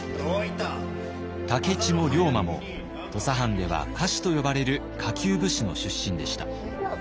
武市も龍馬も土佐藩では下士と呼ばれる下級武士の出身でした。